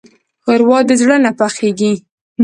ښوروا د زړه نه پخېږي.